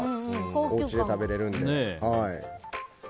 おうちで食べられるので。